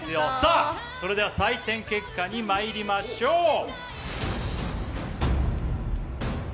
それでは採点結果にまいりましょう。